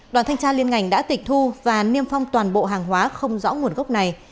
đoàn thanh tra liên ngành đã tịch thu và niêm phong toàn bộ hàng hóa không rõ nguồn gốc này